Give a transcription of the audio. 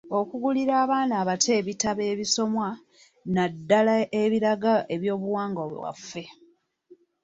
Okugulira abaana abato ebitabo ebisomwa, naddala ebiraga eby'obuwangwa bwaffe.